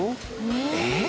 えっ？